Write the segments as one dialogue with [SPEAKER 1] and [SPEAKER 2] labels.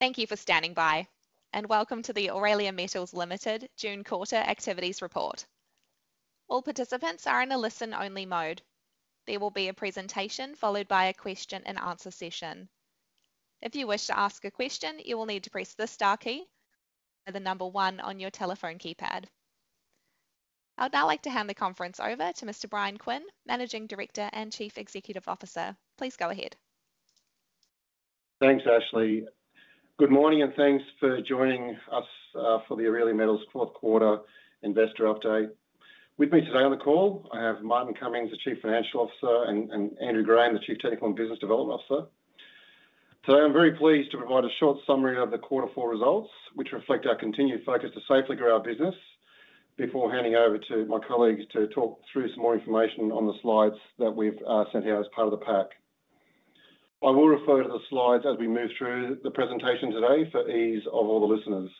[SPEAKER 1] Thank you for standing by and welcome to the Aurelia Metals Limited June quarter activities -eport. All participants are in a listen-only mode. There will be a presentation followed by a question-and-answer session. If you wish to ask a question you will need to press the star key or the number one on your telephone keypad. I would now like to hand the conference over to Mr. Bryan Quinn, Managing Director and Chief Executive Officer. Please go ahead.
[SPEAKER 2] Thanks Ashley. Good morning and thanks for joining us for the Aurelia Metals fourth quarter investor update. With me today on the call I have Martin Cummings, the Chief Financial Officer, and Andrew Graham, the Chief Technical and Business Development Officer. Today I'm very pleased to provide a short summary of the quarter four results which reflect our continued focus to safely grow our business before handing over to my colleagues to talk through some more information on the slides that we've sent out as part of the package. I will refer to the slides as we move through the presentation today for ease of all the listeners.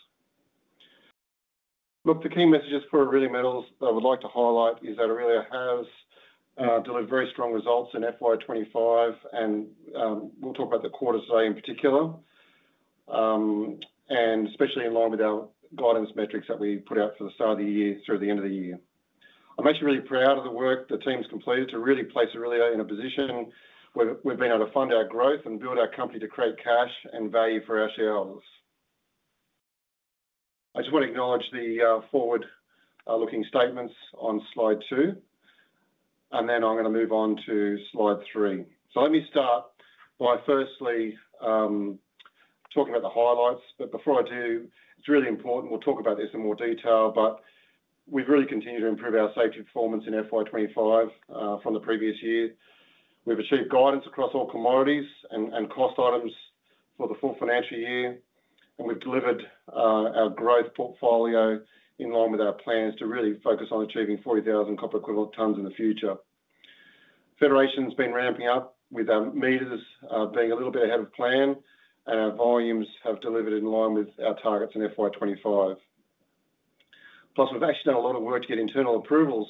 [SPEAKER 2] The key messages for Aurelia Metals that I would like to highlight is that Aurelia has delivered very strong results in FY 2025 and we'll talk about the quarters today, in particular and especially in line with our guidance metrics that we put out for the start of the year through the end of the year. I'm actually really proud of the work the team's completed to really place Aurelia in a position where we've been able to fund our growth and build our company to create cash and value for our shareholders. I just want to acknowledge the forward looking statements on slide two and then I'm going to move on to slide three. Let me start by firstly talking about the highlights, but before I do it's really important we'll talk about this in more detail, but we've really continued to improve our safety performance in FY 2025 from the previous year. We've achieved guidance across all commodities and cost items for the full financial year and we've delivered our growth portfolio in line with our plans to really focus on achieving 40,000 copper equivalent tonnes in the future. Federation has been ramping up with our meters being a little bit ahead of plan and our volumes have delivered in line with our targets in FY 2025. Plus we've actually done a lot of work to get internal approvals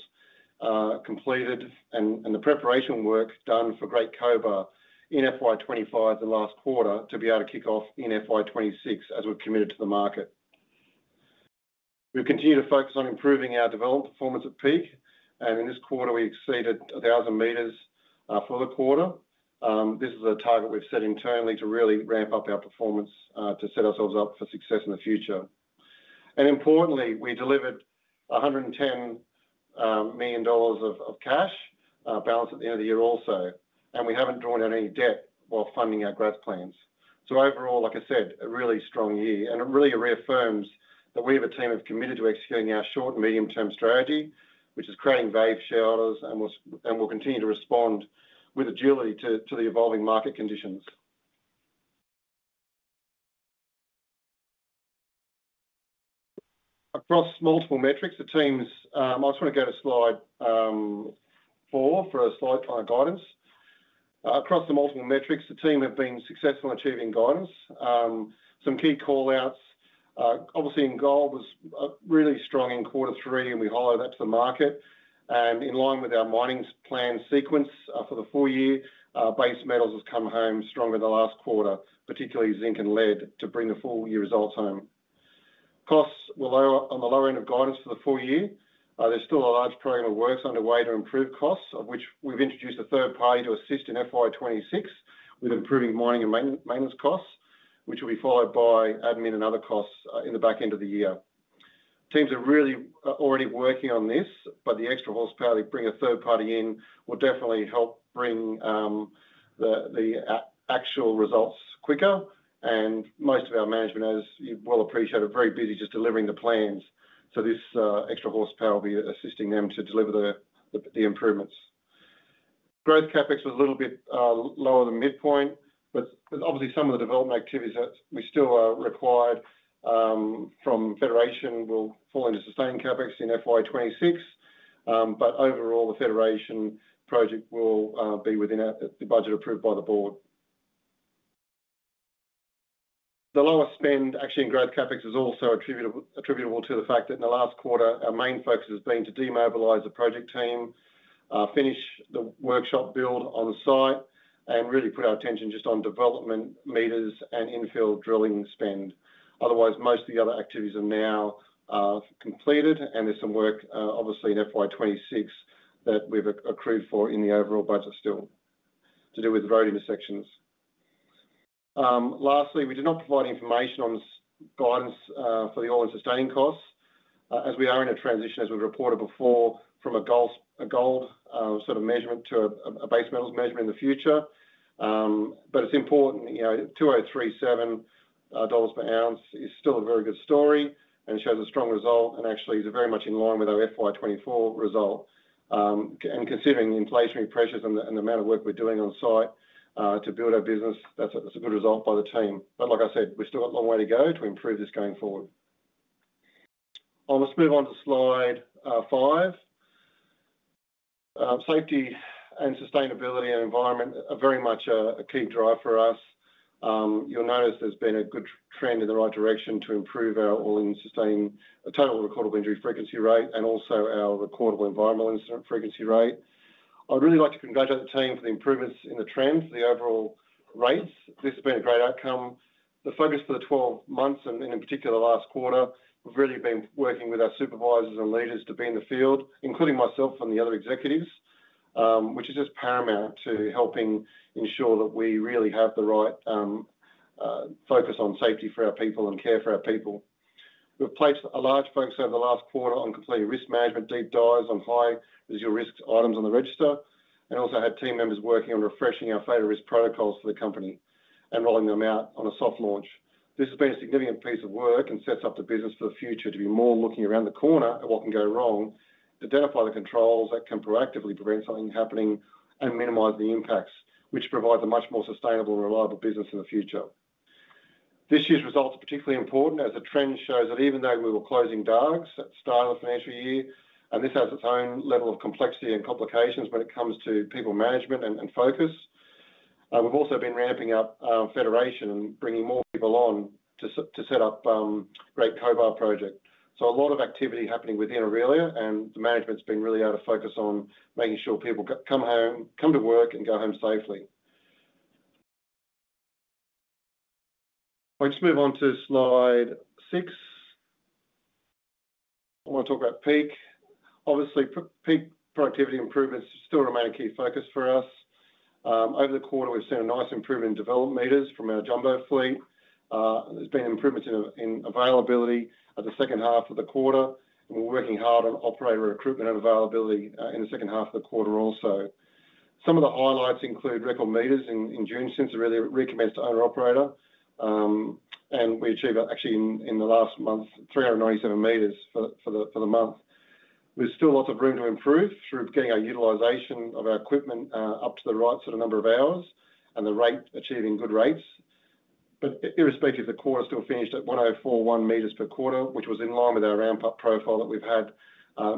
[SPEAKER 2] completed and the preparation work done for Great Cobar in FY the last quarter to be able to kick off in FY 2026. As we've committed to the market, we continue to focus on improving our development performance at Peak and in this quarter we exceeded 1,000 m for the quarter. This is a target we've set internally to really ramp up our performance to set ourselves up for success in the future. Importantly, we delivered $110 million of cash balance at the end of the year also and we haven't drawn out any debt while funding our growth plans. Overall, like I said, a really strong year and really reaffirms that we as a team are committed to executing our short and medium term strategy, which is creating value for shareholders and will continue to respond with agility to the evolving market conditions across multiple metrics. I just want to go to slide for a slight guidance across the multiple metrics. The team have been successful in achieving guidance. Some key call outs, obviously in gold, was really strong in quarter three and we highlighted that to the market and in line with our mining plan sequence for the full year. Base metals has come home stronger the last quarter, particularly zinc and lead, to bring the full year results home. Costs were lower on the lower end of guidance for the full year. There's still a large program of works underway to improve costs, of which we've introduced a third party to assist in FY 2026 with improving mining and maintenance costs, which will be followed by admin and other costs in the back end of the year. Teams are really already working on this, but the extra horsepower they bring, a third party in, will definitely help bring the actual results quicker and most of our management, as you well appreciate, are very busy just delivering the plans. This extra horsepower will be assisting them to deliver the improvements. Growth CapEx was a little bit lower than midpoint, but obviously some of the development activities that we still are required from Federation will fall into sustained CapEx in FY 2026. Overall, the Federation project will be within the budget approved by the board. The lower spend actually in growth CapEx is also attributable to the fact that in the last quarter our main focus has been to demobilize the project team, finish the workshop build on the site, and really put our attention just on development meters and infill drilling spend. Otherwise, most of the other activities are now completed and there's some work obviously in FY 2026 that we've accrued for in the overall budget still to do with the road intersections. Lastly, we did not provide information on guidance for the all-in sustaining costs as we are in a transition, as we've reported before, from a gold sort of measurement to a base metals measurement in the future. It's important $2,037 per ounce is still a very good story and it shows a strong result and actually is very much in line with our FY 2024 result. Considering inflationary pressures and the amount of work we're doing on site to build our business, that's a good result by the team. Like I said, we've still got a long way to go to improve this going forward. I must move on to slide five. Safety and sustainability and environment are very much a key drive for us. You'll notice there's been a good trend in the right direction to improve our all-in sustained total recordable injury frequency rate and also our recordable environmental incident frequency rate. I'd really like to congratulate the team for the improvements in the trend for the overall rates. This has been a great outcome. The focus for the 12 months and in particular last quarter, we've really been working with our supervisors and leaders to be in the field, including myself and the other executives, which is just paramount to helping ensure that we really have the right focus on safety for our people and care for our people. We've placed a large focus over the last quarter on complete risk management, deep dives on high items on the register, and also had team members working on refreshing our failure risk protocols for the company and rolling them out on a soft launch. This has been a significant piece of work and sets up the business for the future to be more looking around the corner at what can go wrong, identify the controls that can proactively prevent something happening, and minimize the impacts, which provides a much more sustainable and reliable business in the future. This year's results are particularly important as the trend shows that even though we were closing dargs at the start of the financial year and this has its own level of complexity and complications when it comes to people, management, and focus. We've also been ramping up Federation and bringing more people on to set up Great Cobar project. A lot of activity happening within Aurelia and the management's been really able to focus on making sure people come to work and go home safely. I'll just move on to slide six. I want to talk about Peak. Obviously, Peak productivity improvements still remain a key focus for us over the quarter. We've seen a nice improvement in development meters from our Jumbo fleet. There's been improvements in availability at the second half of the quarter and we're working hard on operator recruitment availability in the second half of the quarter. Also, some of the highlights include record meters in June since the recommence to owner operator, and we achieved that actually in the last month. 397 m for the month. There's still lots of room to improve through getting our utilization of our equipment up to the right sort of number of hours and the rate achieving good rates. Irrespective, the quarter still finished at 1,041 m per quarter, which was in line with our ramp up profile that we've had,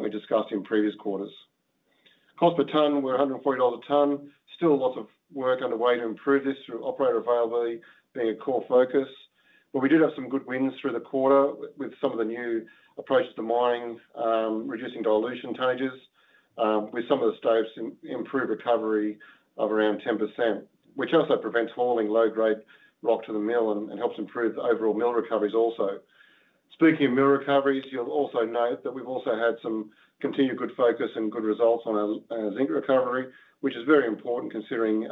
[SPEAKER 2] we discussed in previous quarters. Cost per tonne were $140 a tonne. Still lots of work underway to improve this through operator availability being a core focus. We did have some good wins through the quarter with some of the new approaches to mine, reducing dilution, changes with some of the stopes, improved recovery of around 10%, which also prevents hauling low grade rock to the mill and helps improve the overall mill recoveries. Also, speaking of mill recoveries, you'll also note that we've also had some continued good focus and good results on our zinc recovery, which is very important considering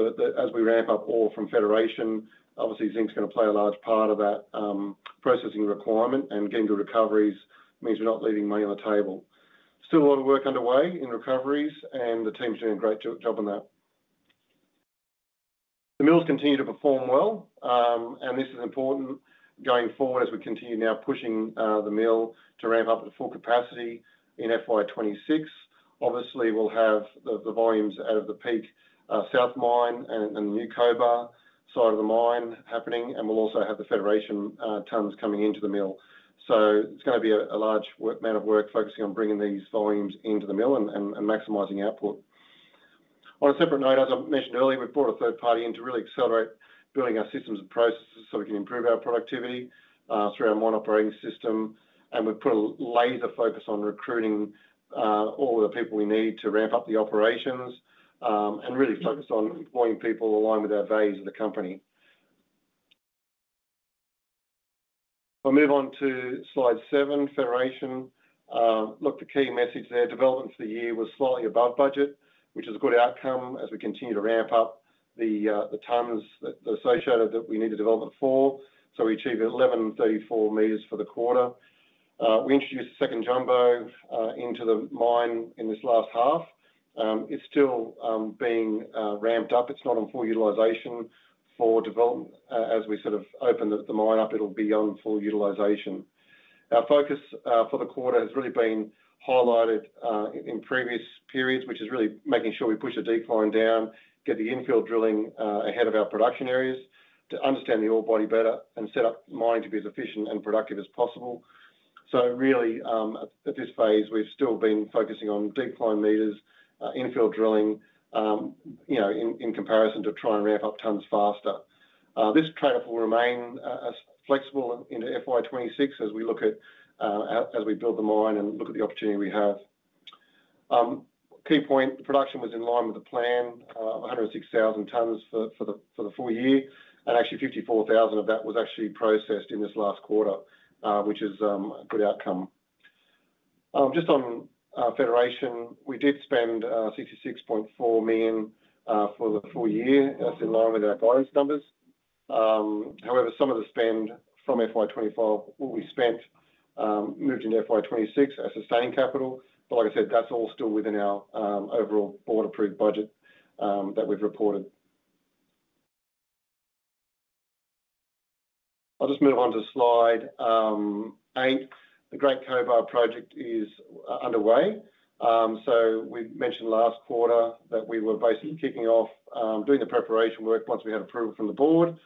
[SPEAKER 2] as we ramp up ore from Federation. Obviously, zinc is going to play a large part of that processing requirement, and getting to recoveries means we're not leaving money on the table. Still a lot of work underway in recoveries, and the team's doing a great job on that. The mills continue to perform well, and this is important going forward as we continue now pushing the mill to ramp up at full capacity in FY 2026. Obviously, we'll have the volumes out of the Peak south mine and new Cobar side of the mine happening, and we'll also have the Federation tonnes coming into the mill. It's going to be a large amount of work focusing on bringing these volumes into the mill and maximizing output. On a separate note, as I mentioned earlier, we brought a third party in to really accelerate building our systems and processes so we can improve our productivity through our modern operating system. We put a laser focus on recruiting all the people we need to ramp up the operations and really focus on employing people aligned with our values of the company. I'll move on to slide seven, Federation. The key message there, development for the year was slightly above budget, which is a good outcome as we continue to ramp up the timings associated that we need the development for. We achieved 1,134 m for the quarter. We introduced second jumbo into the mine in this last half. It's still being ramped up. It's not on full utilization for development. As we sort of open the mine up, it'll be on full utilization. Our focus for the quarter has really been highlighted in previous periods, which is really making sure we push a decline down, get the infield drilling ahead of our production areas to understand the ore body better, and set up mining to be as efficient and productive as possible. At this phase, we've still been focusing on deep flowing meters infield drilling, in comparison to trying to ramp up tonnes faster. This trade-off will remain as flexible in FY 2026 as we build the mine and look at the opportunity we have. Key point, the production was in line with the plan, 106,000 tonnes for the full year, and actually 54,000 of that was processed in this last quarter, which is a good outcome. Just on Federation, we did spend $66.4 million for the full year. That's in line with our guidance numbers. However, some of the spend from FY 2025, what we spent, moved into FY 2026 as sustaining capital. Like I said, that's all still within our overall board-approved budget that we've reported. I'll just move on to slide eight. The Great Cobar project is underway. We mentioned last quarter that we were basically kicking off doing the preparation work. Once we had approval from the board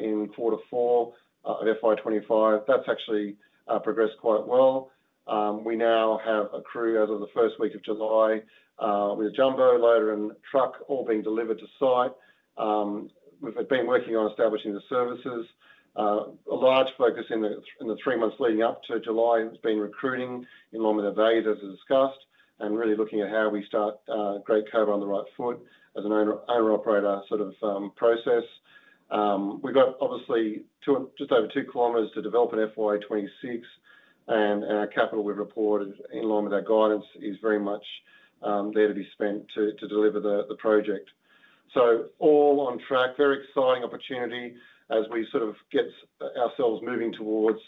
[SPEAKER 2] in quarter four of FY 2025, that's actually progressed quite well. We now have a crew as of the first week of July, with jumbo, loader, and truck all being delivered to site. We've been working on establishing the services. A large focus in the three months leading up to July has been recruiting in London Valley as discussed and really looking at how we start Great Cobar on the right foot as an owner-operator sort of process. We've got obviously just over 2 km to develop in FY 2026, and our capital we've reported in line with our guidance is very much there to be spent to deliver the project. All on track, very exciting opportunity as we sort of get ourselves moving towards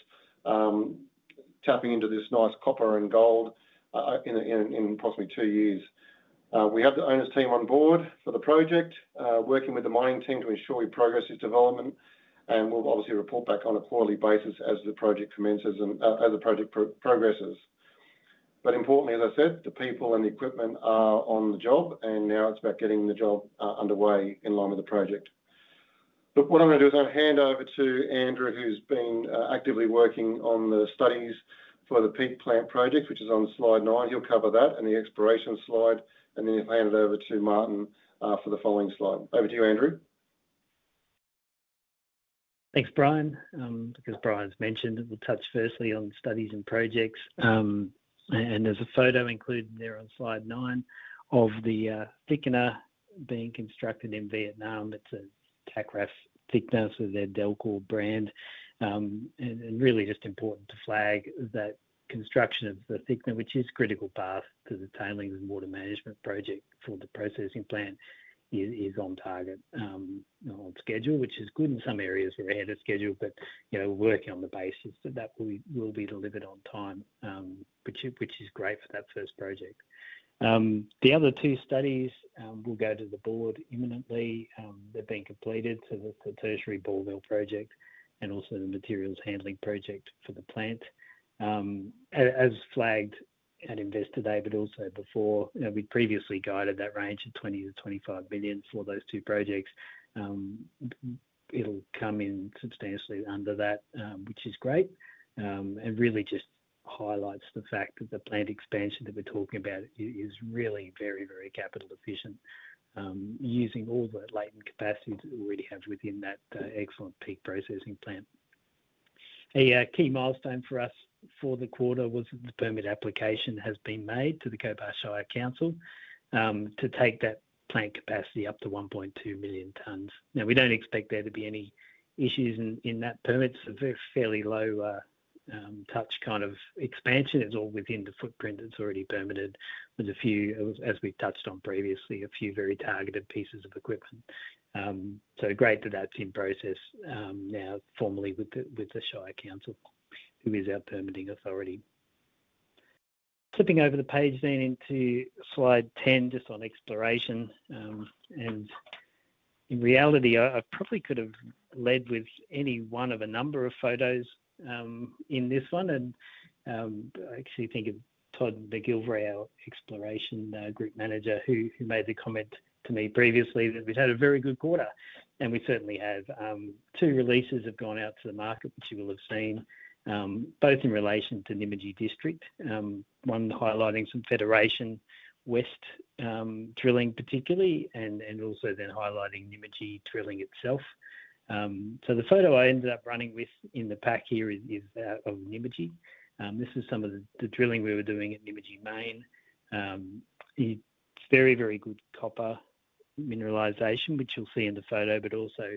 [SPEAKER 2] tapping into this nice copper and gold in possibly two years. We have the owners team on board for the project, working with the mining team to ensure we progress this development. We'll obviously report back on a quarterly basis as the project commences and as the project progresses. Importantly, as I said, the people and the equipment are on the job, and now it's about getting the job underway in line with the project. What I'm going to do is I'll hand over to Andrew, who's been actively working on the studies for the Peak plant project, which is on slide nine. He'll cover that and the exploration slide, and then he'll hand it over to Martin for the following slide. Over to you, Andrew.
[SPEAKER 3] Thanks, Bryan. Because Bryan's mentioned we'll touch firstly on studies and projects. There's a photo included there on slide nine of the thickener being constructed in Vietnam. It's a TAKRAF thickener, so their DELKOR brand, and really just important to flag that construction of the thickener, which is critical path to the tailings and water management project for the processing plant, is on target, on schedule, which is good. In some areas we're ahead of schedule, but working on the basis that that will be delivered on time, which is great for that first project. The other two studies will go to the board imminently; they're being completed. The tertiary ball mill project and also the materials handling project for the plant, as flagged at investor day. We previously guided that range of $20 million-$25 million for those two projects. It'll come in substantially under that, which is great and really just highlights the fact that the plant expansion that we're talking about is really very, very capital efficient, using all the latent capacity that we already have within that excellent Peak processing plant. A key milestone for us for the quarter was the permit application has been made to the Cobar Shire Council to take that plant capacity up to 1.2 million tonnes. We don't expect there to be any issues in that permit, so fairly low touch kind of expansion. It's all within the footprint that's already permitted with a few, as we touched on previously, a few very targeted pieces of equipment. Great that that's in process now formally with the Shire Council, who is our permitting authority. Flipping over the page then into slide 10 just on exploration, in reality I probably could have led with any one of a number of photos in this one. I actually think of Todd McGilvray, our Exploration Group Manager, who made the comment to me previously that we'd had a very good quarter, and we certainly have. Two releases have gone out to the market, which you will have seen, both in relation to Nymagee district, one highlighting some Federation west drilling particularly, and also then highlighting Nymagee drilling itself. The photo I ended up running with in the pack here is of Nymagee. This is some of the drilling we were doing at Nymagee Main. It's very, very good copper mineralization, which you'll see in the photo, but also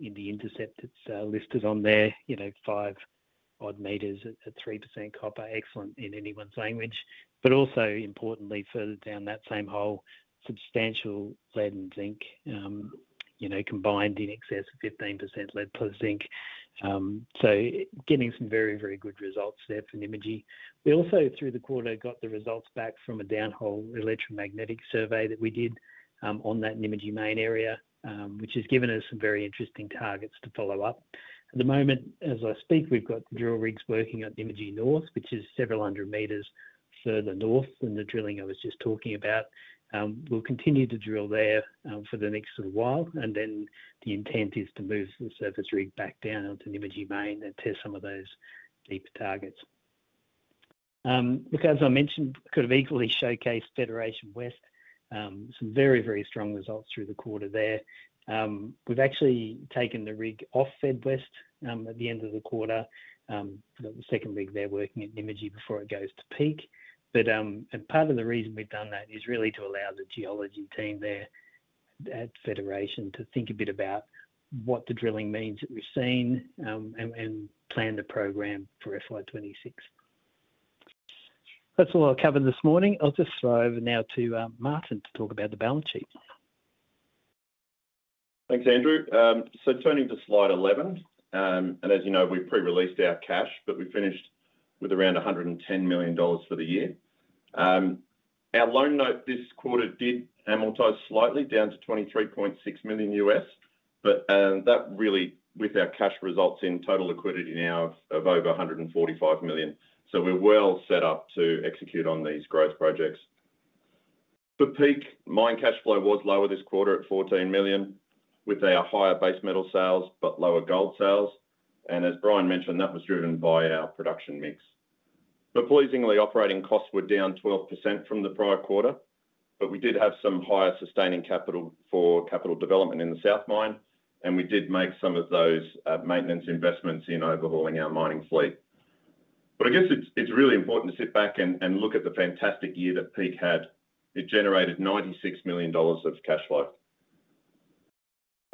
[SPEAKER 3] in the intercept it's listed on there, you know, five odd meters at 3% copper, excellent in anyone's language. Also importantly, further down that same hole, substantial lead and zinc, you know, combined in excess of 15% lead plus zinc. Getting some very, very good results there from imaging. We also through the quarter got the results back from a downhole electromagnetic survey that we did on that Nymagee Main area, which has given us some very interesting targets to follow up. At the moment as I speak, we've got drill rigs working at Nymagee North, which is several hundred meters further north than the drilling I was just talking about. We'll continue to drill there for the next little while and the intent is to move the surface rig back down onto Nymagee Main and test some of those deep targets because as I mentioned, could have easily showcased Federation West, some very, very strong results through the quarter there. We've actually taken the rig off Fed West at the end of the quarter. The second rig they're working at Nymagee before it goes to Peak. Part of the reason we've done that is really to allow the geology team there at Federation to think a bit about what the drilling means that we've seen and plan the program for FY 2026. That's all I've covered this morning. I'll just throw over now to Martin to talk about the balance sheet.
[SPEAKER 4] Thanks Andrew. Turning to slide 11, as you know we've pre-released our cash, but we finished with around $110 million for the year. Our loan note this quarter did amortize. Slightly down to $23.6 million U.S., but that really with our cash results in total liquidity now of over $145 million. We're well set up to execute on these growth projects. For Peak mine, cash flow was lower this quarter at $14 million with our higher base metal sales but lower gold sales. As Bryan mentioned, that was driven by our production mix. Pleasingly, operating costs were down 12%. From the prior quarter. We did have some higher sustaining capital for capital development in the south mine. We did make some of those maintenance investments in overhauling our mining fleet. I guess it's really important to sit back and look at the fantastic year that Peak had. It generated $96 million of cash flow.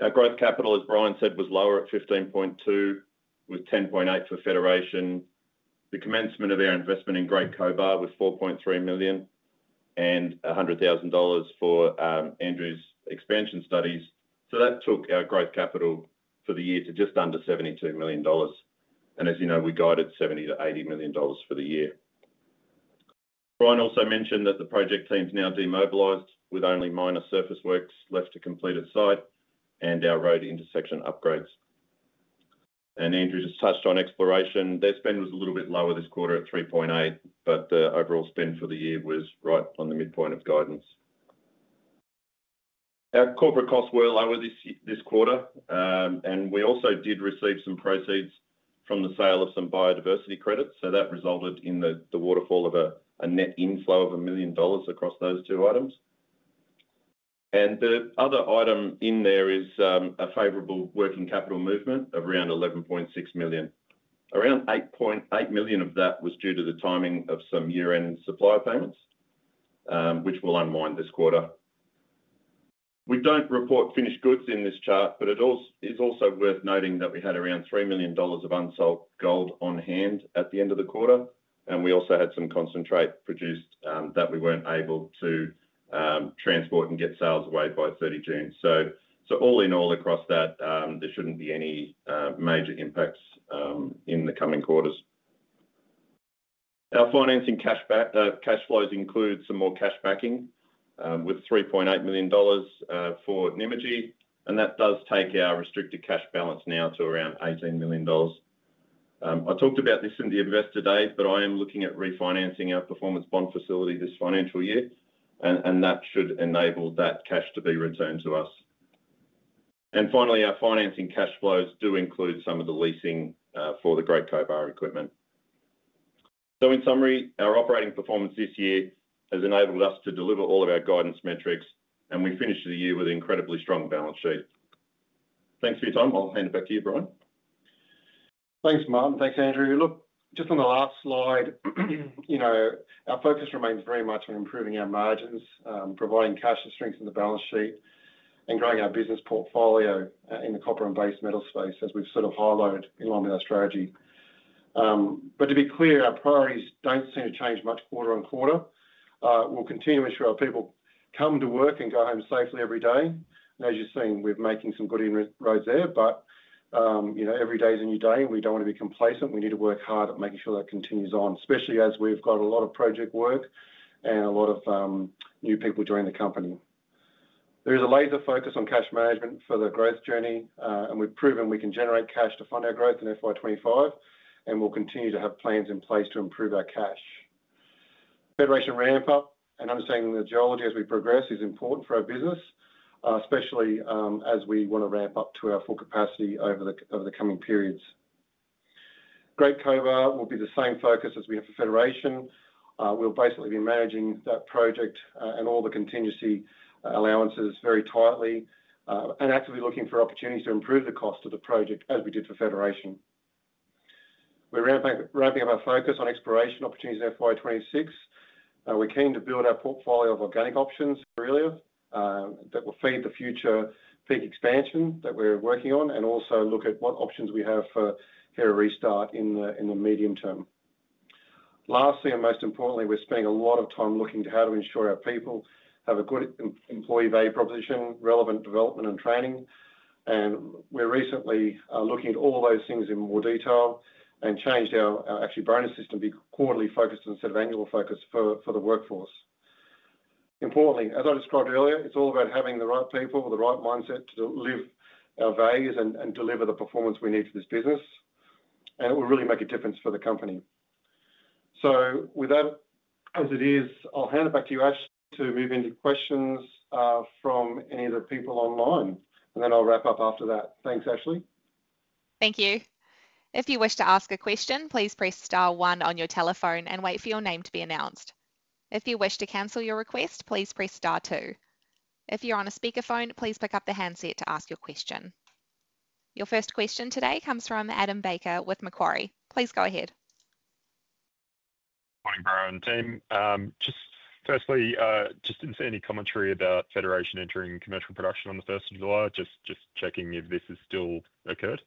[SPEAKER 4] Our growth capital, as Bryan said, was lower at $15.2 million with $10.8 million for Federation. The commencement of our investment in Great Cobar was $4.3 million and $100,000 for Andrew's expansion studies. That took our growth capital for the year to just under $72 million, and as you know, we guided $70 million-$80 million for the year. Bryan also mentioned that the project team's now demobilized with only minor surface works left to complete at site and our road intersection upgrades. Andrew just touched on exploration. Their spend was a little bit lower this quarter at $3.8 million, but the overall spend for the year was right on the midpoint of guidance. Our corporate costs were lower this quarter. We also did receive some proceeds from the sale of some biodiversity credits. That resulted in the waterfall of a net inflow of $1 million across those two items. The other item in there is a favorable working capital movement of around $11.6 million. Around $8.8 million of that was due to the timing of some year-end supply payments, which will unwind this quarter. We don't report finished goods in this. Chart, but it is also worth noting that we had around $3 million of unsold gold on hand at the end of the quarter, and we also had some concentrate produced that we weren't able to transport and get sales away by the 30th of June. All in all across that, there shouldn't be any major impacts in the coming quarters. Our financing cash flows include some more cash backing with $3.8 million for Nymagee, and that does take our restricted cash balance now to around $18 million. I talked about this in the investor day, I am looking at refinancing our performance bond facility this financial year, and that should enable that cash to be returned to us. Finally, our financing cash flows do include some of the leasing for the Great Cobar equipment. In summary, our operating performance this year has enabled us to deliver all of our guidance metrics, and we finished the year with incredibly strong balance sheet. Thanks for your time. I'll hand it back to you, Bryan.
[SPEAKER 2] Thanks, Martin. Thanks, Andrew. Look, just on the last slide, our focus remains very much on improving our margins, providing cash to strengthen the balance sheet, and growing our business portfolio in the copper and base metal space as we sort of highlight in line with our strategy. To be clear, our priorities don't seem to change much quarter on quarter. We'll continue to ensure our people come to work and go home safely every day. As you've seen, we're making some good inroads there. Every day is a new day. We don't want to be complacent, we need to work hard at making sure that continues on, especially as we've got a lot of project work and a lot of new people joining the company. There is a laser focus on cash management for the growth journey, and we've proven we can generate cash to fund our growth in FY 2025. We'll continue to have plans in place to improve our cash. Federation ramp-up and understanding the geology as we progress is important for our business, especially as we want to ramp up to our full capacity over the coming periods. Great Cobar will be the same focus as we have for Federation. We'll basically be managing that project and all the contingency allowances very tightly and actively looking for opportunities to improve the cost of the project. As we did for Federation, we're ramping up our focus on exploration opportunities in FY 2026. We're keen to build our portfolio of organic options that will feed the future Peak expansion that we're working on and also look at what options we have for Hera restart in the medium term. Lastly, and most importantly, we're spending a lot of time looking at how to ensure our people have a good employee value proposition, relevant development and training, and we're recently looking at all those things in more detail and changed our actual bonus system accordingly, focused instead of annual focus for the workforce. Importantly, as I described earlier, it's all about having the right people with the right mindset to live our values and deliver the performance we need for this business, and it will really make a difference for the company. With that as it is, I'll hand it back to you, Ashley, to move into questions from any of the people online, and then I'll wrap up after that. Thanks, Ashley.
[SPEAKER 1] Thank you. If you wish to ask a question, please press star one on your telephone and wait for your name to be announced. If you wish to cancel your request, please press star two. If you're on a speakerphone, please pick up the handset to ask your question. Your first question today comes from Adam Baker with Macquarie. Please go ahead.
[SPEAKER 5] Morning. Barrow and team, just firstly, just didn't see any commentary about Federation entering commercial production on the 1st of July. Just checking if this has still occurred.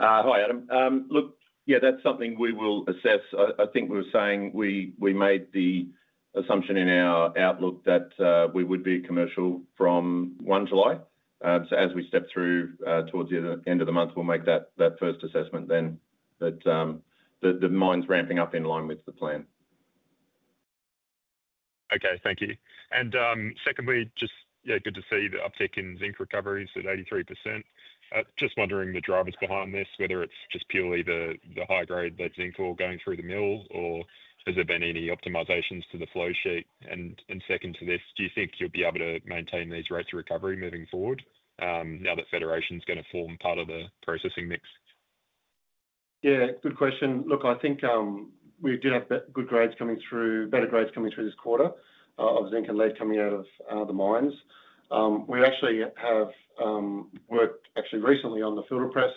[SPEAKER 4] Hi, Adam. Look. That's something we will assess. I think we were saying we made the assumption in our outlook that we would be commercial from the 1st of July. As we step through towards the end of the month, we'll make that first assessment then that the mine's ramping up in line with the plan.
[SPEAKER 5] Thank you. Secondly, good to see the uptick in zinc recoveries at 83%. Just wondering the drivers behind this, whether it's just purely the high grade lead zinc ore going through the mill, or has there been any optimizations to the flow sheet. Second to this, do you think you'll be able to maintain these rates of recovery moving forward now that Federation is going to form part of the processing mix?
[SPEAKER 2] Yeah, good question. Look, I think we did have good grades coming through, better grades coming through this quarter of zinc and lead coming out of the mines. We actually have worked recently on the filter press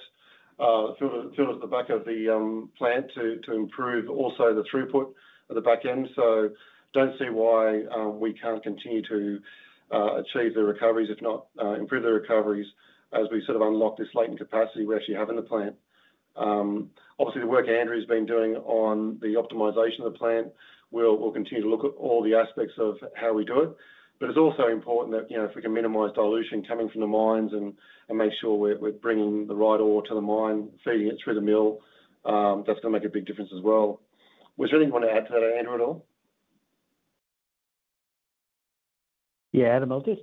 [SPEAKER 2] filters at the back of the plant to improve also the throughput of the back end. I don't see why we can't continue to achieve the recoveries, if not improve the recoveries as we sort of unlock this latent capacity we actually have in the plant. Obviously, the work Andrew's been doing on the optimization of the plant, we'll continue to look at all the aspects of how we do it. It's also important that if we can minimize dilution coming from the mines and make sure we're bringing the right ore to the mine, feeding it through the mill, that's going to make a big difference as well. Was there anything to add to that, Andrew, at all?
[SPEAKER 3] Yeah, Adam, I'll just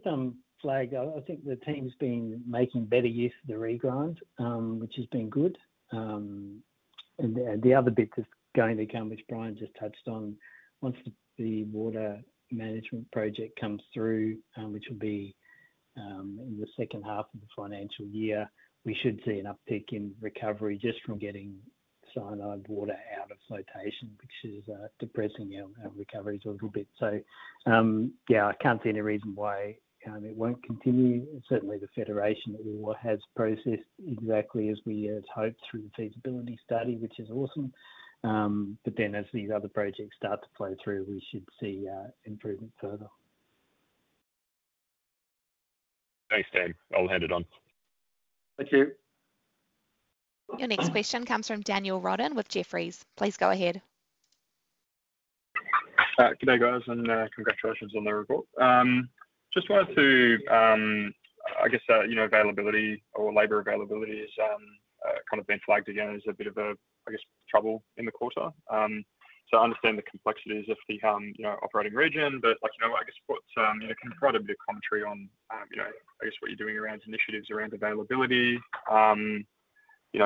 [SPEAKER 3] flag I think the team's been making better use of the regrind, which has been good, and the other bit that's going to come, which Bryan just touched on, once the water management project comes through, which will be in the second half of the financial year, we should see an uptick in recovery just from getting cyanide water out of flotation, which is depressing our recovery a little bit. I can't see any reason why it won't continue. Certainly, the Federation has processed exactly as we had hoped through the feasibility study, which is awesome. As these other projects start to flow through, we should see improvement further.
[SPEAKER 5] Thanks Dan. I'll hand it on.
[SPEAKER 2] Thank you.
[SPEAKER 1] Your next question comes from Daniel Rodden with Jefferies. Please go ahead.
[SPEAKER 6] G'day guys and congratulations on the report. Just wanted to, I guess, you know, labor availability has kind of. Been flagged again as a bit of. I guess trouble in the quarter to understand the complexities of the operating region, but I guess what can provide a bit of commentary on what you're doing around initiatives around availability. I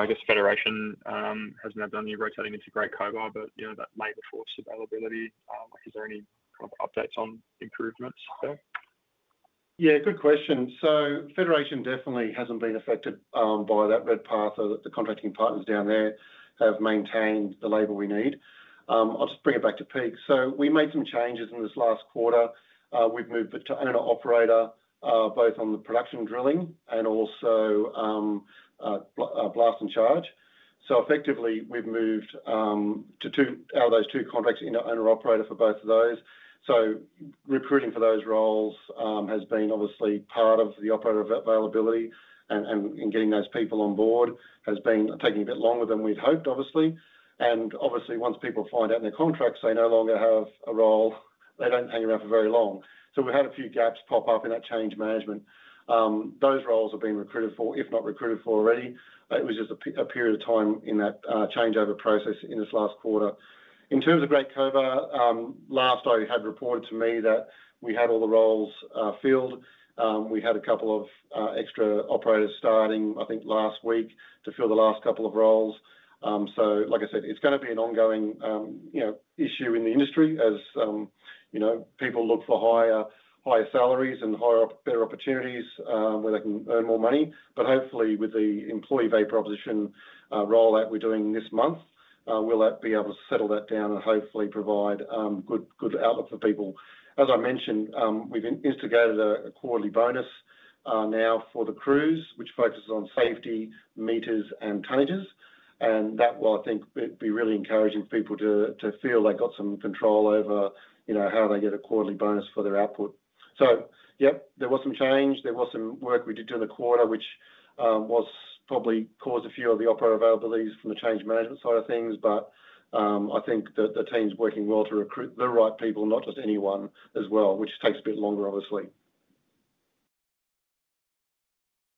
[SPEAKER 6] guess Federation has now done any rotating into Great Cobar, but that late force availability. Is there any updates on improvements there?
[SPEAKER 2] Yeah, good question. Federation definitely hasn't been affected by that. Redpath or the contracting partners down there have maintained the labor we need. I'll just bring it back to Peak. We made some changes in this last quarter. We've moved to an operator both on the production, drilling, and also blast and charge. Effectively, we've moved out of those two contracts into owner operator for both of those. Recruiting for those roles has been obviously part of the operator availability, and getting those people on board has been taking a bit longer than we'd hoped, obviously. Once people find out their contracts, they no longer have a role. They don't hang around for very long. We had a few gaps pop up in that change management. Those roles have been recruited for, if not recruited for already. It was just a period of time in that changeover process in this last quarter. In terms of Great Cobar, last I had reported to me that we had all the roles filled. We had a couple of extra operators starting, I think, last week to fill the last couple of roles. Like I said, it's going to be an ongoing issue in the industry as you know, people look for higher salaries and better opportunities where they can earn more money. Hopefully, with the employee value proposition rollout we're doing this month, we'll be able to settle that down and hopefully provide good outlook for people. As I mentioned, we've instigated a quarterly bonus now for the crews which focuses on safety meters and tonnages. That will, I think, be really encouraging people to feel they got some control over how they get a quarterly bonus for their output. There was some change. There was some work we did during the quarter which probably caused a few of the operator availabilities from the change management side of things. I think that the team's working well to recruit the right people, not just anyone as well, which takes a bit longer, obviously.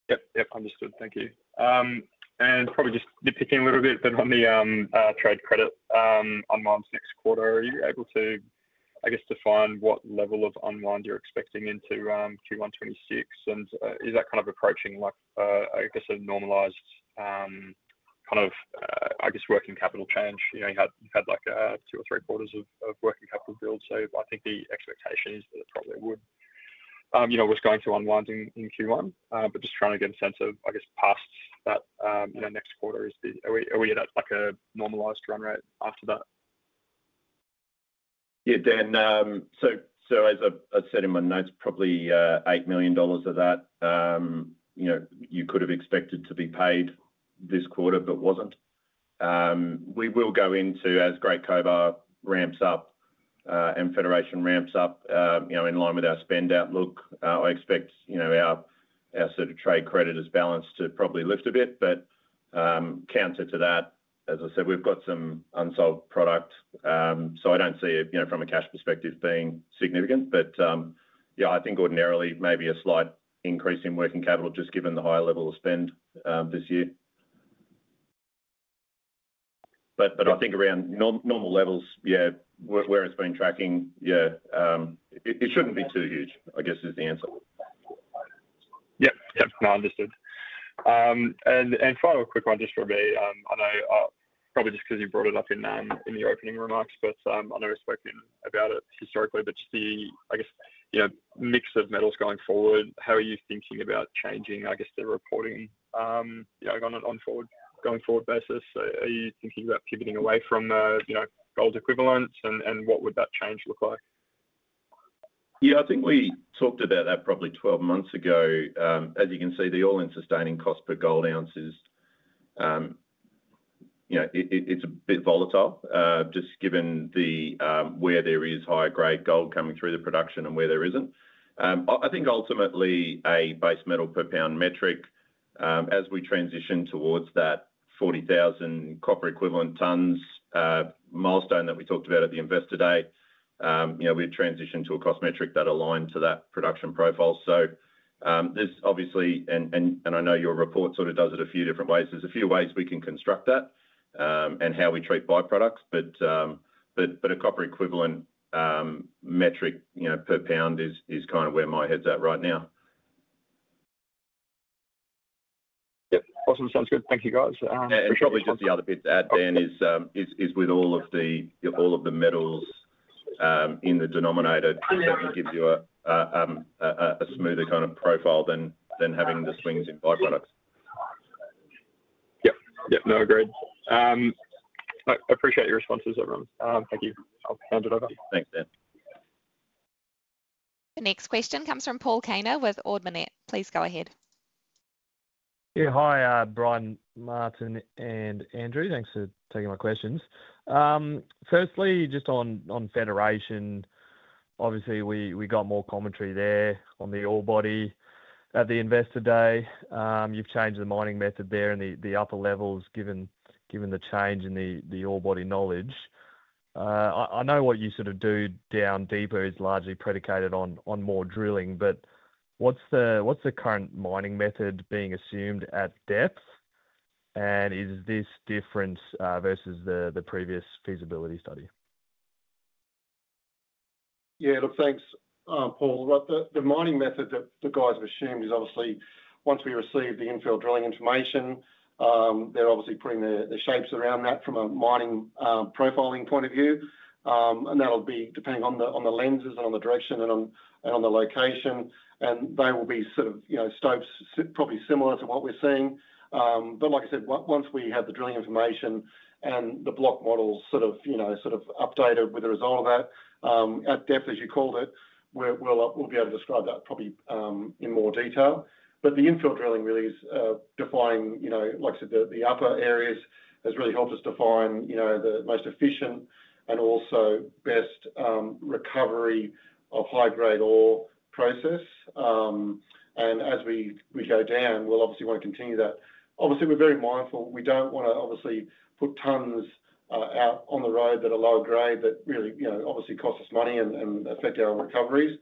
[SPEAKER 6] Yep, yep, understood. Thank you. I'm probably just nitpicking a little bit. On the trade credit unwind sixth quarter, are you able to define what level of unwind you're expecting into Q1 2026 and is that kind of approaching a normalized working capital change? You had two or three quarters of working capital builds. I think the expectation is that it probably was going to unwind in Q1, but just trying to get a sense of past that, next quarter. Are we at a normalized run rate after that?
[SPEAKER 4] Yeah, Dan, as I've said in my notes, probably $8 million of that you could have expected to be paid this quarter but wasn't. We will go into as Great Cobar ramps up and Federation ramps up in line with our spend outlook. I expect our sort of trade creditors balance to probably lift a bit. Counter to that, as I said, we've got some unsold product so I don't see it from a cash perspective being significant. I think ordinarily maybe a slight increase in working capital just given the high level of spend this year, but I think around normal levels where it's been tracking. It shouldn't be too huge I guess, is the answer.
[SPEAKER 5] Yep, yep, understood. Final quick one just for me. I know, probably just because you brought it up in [Nan] in the opening remarks, but I know we've spoken about it historically, just the, I guess, mix of metals going forward, how are you thinking about changing, I guess, the reporting going forward basis? Are you thinking about pivoting away from gold equivalents and what would that change look like?
[SPEAKER 4] Yeah, I think we talked about that probably 12 months ago. As you can see, the all-in sustaining cost per gold ounce is. A. Bit volatile just given where there is higher grade gold coming through the production and where there isn't. I think ultimately a base metal per pound metric as we transition towards that 40,000 copper equivalent tonnes milestone that we talked about at the investor day, you know, we've transitioned to a cost metric that aligned to that production profile. There's obviously, and I know your report sort of does it a few different ways, a few ways we can construct that and how we treat byproducts. A copper equivalent metric per pound is kind of where my head's at right now.
[SPEAKER 6] Awesome. Sounds good. Thank you, guys.
[SPEAKER 4] Probably just the other bit to add, Dan, is with all of the metals in the denominator, it definitely gives you a smoother kind of profile than having the swings in by-products.
[SPEAKER 6] No, agreed. I appreciate your responses, everyone. Thank you. I'll hand it over.
[SPEAKER 3] Thanks, Dan.
[SPEAKER 1] The next question comes from Paul Kaner with Ord Minnett. Please go ahead.
[SPEAKER 7] Yeah, hi Bryan, Martin and Andrew, thanks. for taking my questions. Firstly, just on Federation, obviously we got more commentary there on the ore body at the investor day. You've changed the mining method there in the upper levels given the change in the ore body knowledge. I know what you sort of do down deeper is largely predicated on more drilling, but what's the current mining method being assumed at depth, and is this different versus the previous feasibility study?
[SPEAKER 2] Yeah, look, thanks Paul. The mining method that the guys have assumed is obviously once we receive the infill drilling information, they're obviously putting the shapes around that from a mining profiling point of view and that'll be depending on the lenses and on the direction and on the location and they will be sort of, you know, stopes probably similar to what we're seeing. Like I said, once we have the drilling information and the block models sort of, you know, updated with the result of that at depth, as you called it, we'll be able to describe that probably in more detail. The infill drilling really is defining like the upper areas has really helped us define the most efficient and also best recovery of high grade ore process. As we go down we'll obviously want to continue that. We're very mindful. We don't want to obviously put tonnes out on the road that are low grade, that really obviously cost us money and affect our recoveries.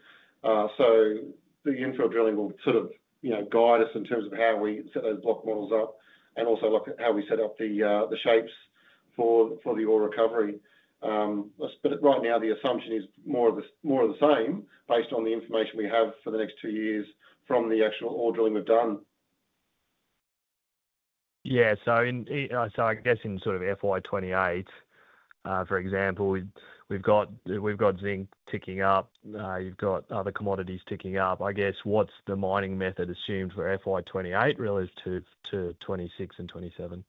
[SPEAKER 2] The infill drilling will sort of, you know, guide us in terms of how we set those block models up and also look at how we set up the shapes for the ore recovery. Right now the assumption is more of the same based on the information we have for the next two years from the actual ore drilling we've done.
[SPEAKER 7] Yeah. I guess in sort of FY 2028 for example, we've got zinc ticking up, you've got other commodities ticking up I guess. What's the mining method assumed where FY 2028 really is to FY 2026 and FY 2027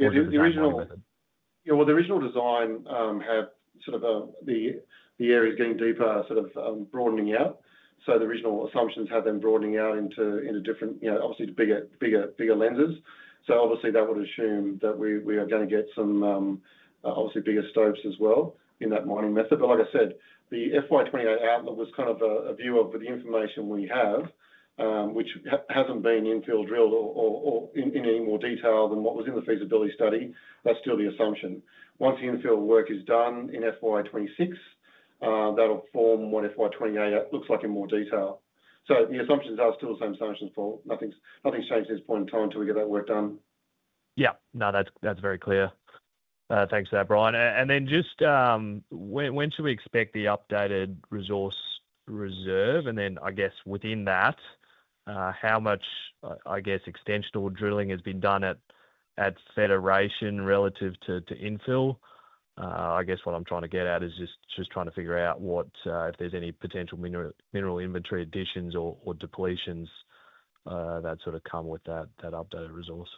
[SPEAKER 7] method?
[SPEAKER 2] Yeah, the original design has the area getting deeper, sort of broadening out. The original assumptions have them broadening out into different, obviously bigger lenses. That would assume that we are going to get some obviously bigger stopes as well in that mining method. Like I said, the FY 2028 outlook was kind of a view of the information we have, which hasn't been infill drilled or in any more detail than what was in the feasibility study. That's still the assumption. Once the infill work is done in FY 2026, that'll form what FY 2028 looks like in more detail. The assumptions are still the same assumptions; nothing's shaped at this point in time until we get that work done.
[SPEAKER 7] Yeah, no, that's very clear. Thanks for that, Bryan. When should we expect the updated resource reserve, and within that, how much extension or drilling has been done at Federation relative to infill? I guess what I'm trying to get at is just trying to figure out if there's any potential mineral inventory additions or depletions that sort of come.
[SPEAKER 2] With that updated resource,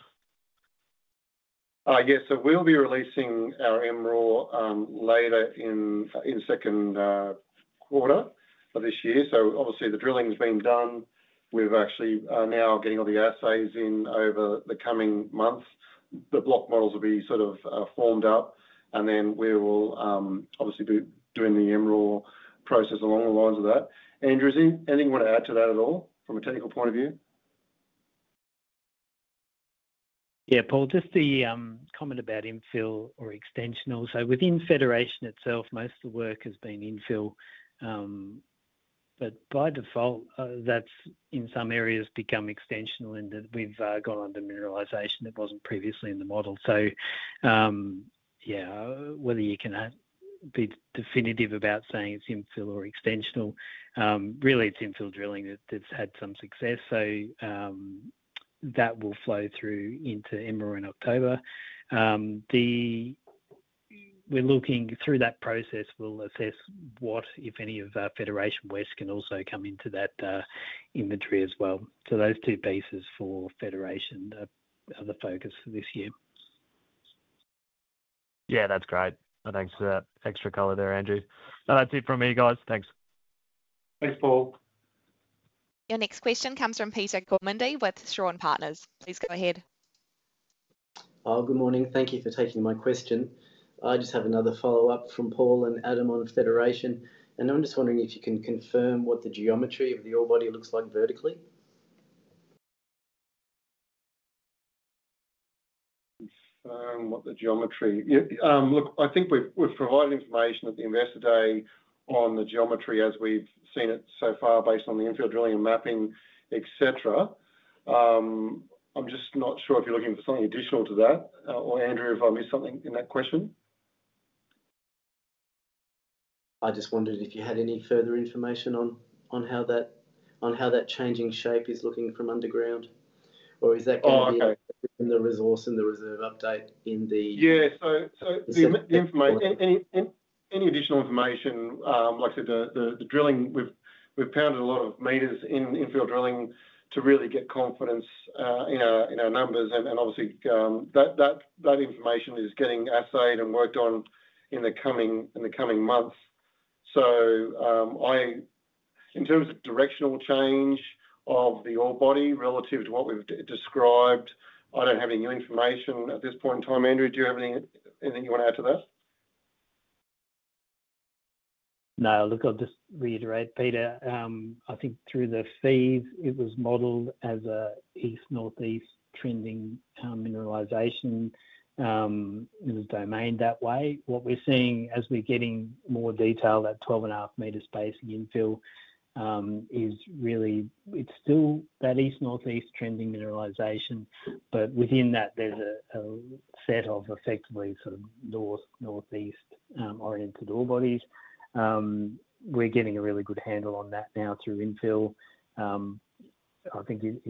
[SPEAKER 2] yes, we'll be releasing our [MRAW] later in the second quarter of this year. The drilling has been done. We're actually now getting all the assays in. Over the coming months, the block models will be formed up, and we will obviously be doing the Emerald process along the lines of that. Andrew, anything you want to add to that at all from a technical point of view?
[SPEAKER 3] Yeah, Paul, just the comment about infill or extensional. Within Federation itself, most of the work has been infill, but by default that's in some areas become extensional, and we've gone under mineralization that wasn't previously in the model. Whether you can be definitive about saying it's infill or extensional, really it's infill drilling that's had some success. That will flow through into Emerald October. We're looking through that process. We'll assess what, if any, of Federation west can also come into that inventory as well. Those two pieces for Federation are the focus for this year.
[SPEAKER 7] Yeah, that's great. Thanks for that extra color there, Andrew. That's it from me, guys, thanks.
[SPEAKER 2] Thanks.
[SPEAKER 1] Paul, your next question comes from [Peter Gormandi] with Sran Partners. Please go ahead. Good morning. Thank you for taking my question. I just have another follow up from Paul and Adam on Federation, and I'm just wondering if you can confirm what the geometry of the ore body looks like vertically.
[SPEAKER 2] What the geometry. I think we've provided information at the investor day on the geometry as we've seen it so far based on the infield drilling and mapping, etc. I'm just not sure if you're looking for something additional to that or Andrew, if I missed something in that question. I just wondered if you had any further information on how that changing shape is looking from underground, or is that in the resource and the reserve update?
[SPEAKER 3] Indeed, yes.
[SPEAKER 2] Any additional information, like I said, the drilling, we've pounded a lot of meters in infill drilling to really get confidence in our numbers, and obviously that information is getting assayed and worked on in the coming months. In terms of directional change of the ore body relative to what we've described, I don't have any new information at this point in time. Andrew, do you have anything you want to add to that?
[SPEAKER 3] No, look, I'll just reiterate, Peter. I think through the fees it was modeled as an east-northeast trending mineralization. That way, what we're seeing as we're getting more detail, that 12.5 m spacing infill is really, it's still that east-northeast trending mineralization, but within that there's a set of effectively sort of north-northeast oriented ore bodies. We're getting a really good handle on that now through infill. I think you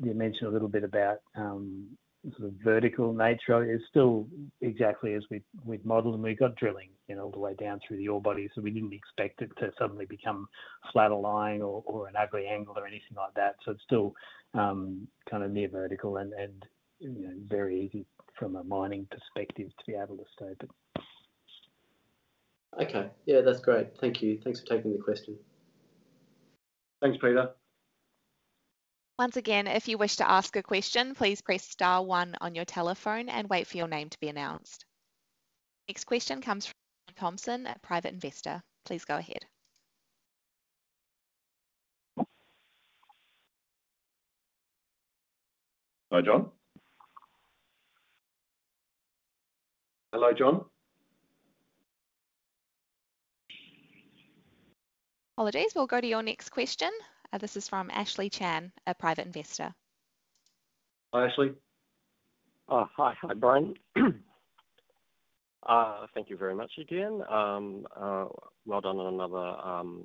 [SPEAKER 3] mentioned a little bit about sort of vertical nature; it's still exactly as we'd model, and we got drilling all the way down through the ore body. We didn't expect it to suddenly become flat lying or an ugly angle or anything like that. It's still kind of near vertical and very easy from a mining perspective to be able to stop it. Okay, yeah, that's great. Thank you. Thanks for taking the question.
[SPEAKER 2] Thanks Peter.
[SPEAKER 1] Once again, if you wish to ask a question, please press star one on your telephone and wait for your name to be announced. Next question comes from John Thompson, a private investor. Please go ahead.
[SPEAKER 2] Hello John. Hello John.
[SPEAKER 1] Apologies. We'll go to your next question. This is from Ashley Chan, a private investor.
[SPEAKER 2] Hi Ashley. Oh, hi. Hi Bryan. Thank you very much. Again, well done on another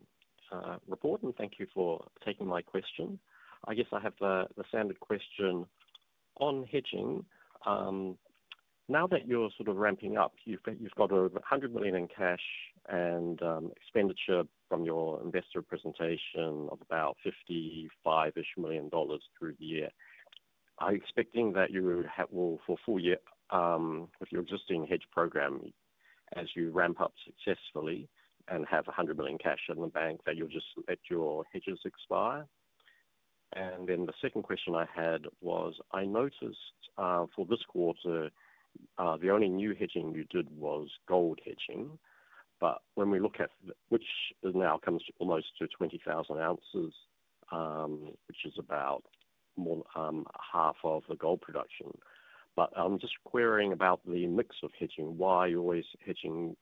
[SPEAKER 2] report, and thank you for taking my question. I guess I have the standard question. On hitching. Now that you're sort of ramping up. You've got $100 million in cash and expenditure from your investor presentation of about $55 million through the year. Are you expecting that you will for full year with your existing hedge program as you ramp up successfully and have $100 million cash in the bank that you'll just let your hedges expire? The second question I had was I noticed for this quarter the only new hedging you did was gold hedging. When we look at which now comes almost to 20,000 oz, which is about half of the gold production, I'm just querying about the mix of hedging, why you always hedging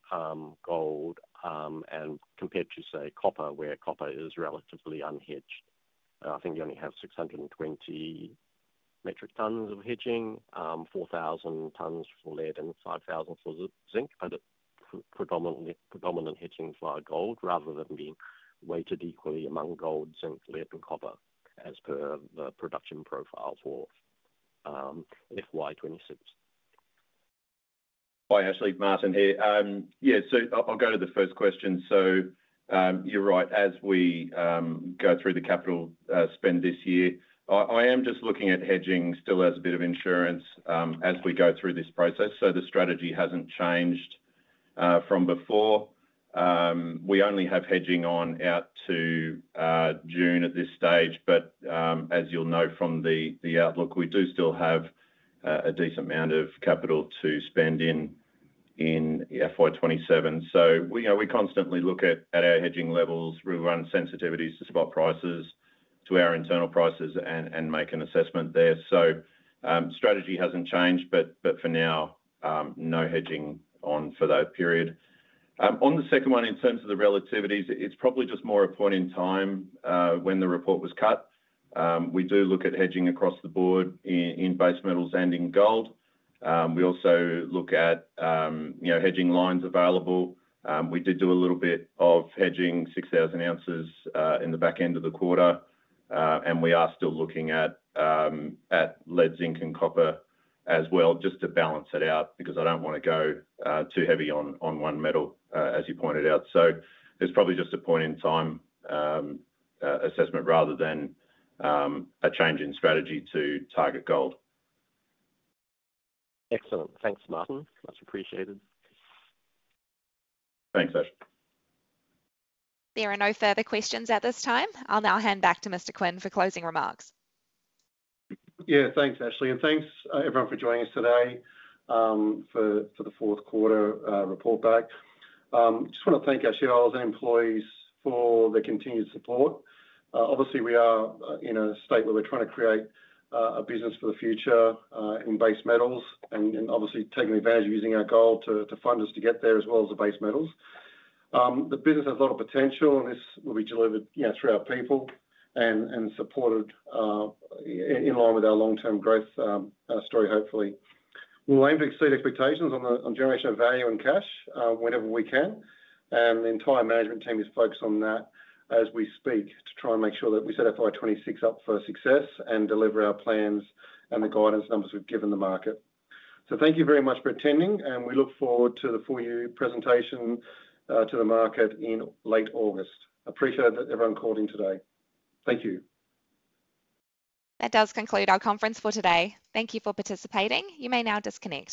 [SPEAKER 2] gold and compared to say copper where copper is relatively unhedged, I think you only have 620 metric tons of hedging, 4,000 tonnes for lead and 5,000 for zinc. Predominant hedging fly gold rather than being weighted equally among gold, zinc, lead and copper as per the production profile for FY 2026.
[SPEAKER 4] Ashley Martin here. I'll go to the first question. You're right. As we go through the capital spend. This year, I am just looking at. Hedging still as a bit of insurance as we go through this process. The strategy hasn't changed from before. We only have hedging on out to June at this stage. As you'll note from the outlook, we do still have a decent amount of capital to spend in FY 2027. We constantly look at our hedging levels, rerun sensitivities to spot prices to our internal prices, and make an assessment there. The strategy hasn't changed, but for now, no hedging on for that period. On the second one, in terms of the relativities, it's probably just more a point in time when the report was cut. We do look at hedging across the board in base metals and in gold. We also look at hedging lines available. We did do a little bit of hedging, 6,000 oz in the back end of the quarter, and we are still looking at lead, zinc, and copper as well just to balance it out because I don't want to go too heavy on one metal as you pointed out. It's probably just a point in time assessment rather than a change in strategy to target gold. Excellent. Thanks, Martin. Much appreciated. Thanks Ashley.
[SPEAKER 1] There are no further questions at this time. I'll now hand back to Mr. Quinn for closing remarks.
[SPEAKER 2] Yeah, thanks Ashley. Thanks everyone for joining us today for the fourth quarter report back. I just want to thank our shareholders and employees for the continued support. Obviously, we are in a state where we're trying to create a business for the future in base metals and obviously taking advantage of using our gold to fund us to get there as well as the base metals. The business has a lot of potential and this will be delivered throughout people and supported in line with our long-term growth story. Hopefully, we'll aim to exceed expectations on generation of value and cash whenever we can, and the entire management team is focused on that as we speak to try and make sure that we set FY 2026 up for success and deliver our plans and the guidance numbers we've given the market. Thank you very much for attending and we look forward to the full year presentation to the market in late August. Appreciate everyone called in today. Thank you.
[SPEAKER 1] That does conclude our conference for today. Thank you for participating. You may now disconnect.